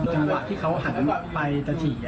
จังหวะที่เขาหันไปจะฉีก